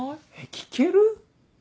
聞ける？